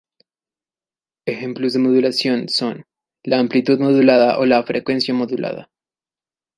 Ejemplos de modulación son: la amplitud modulada o la frecuencia modulada.